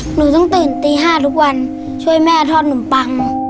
หนูต้องตื่นตี๕ทุกวันช่วยแม่ทอดนมปัง